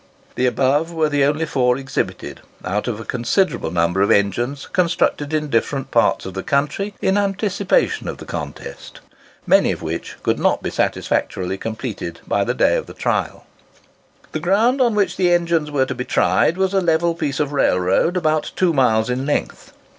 The above were the only four exhibited, out of a considerable number of engines constructed in different parts of the country in anticipation of this contest, many of which could not be satisfactorily completed by the day of trial. The ground on which the engines were to be tried was a level piece of railroad, about two miles in length.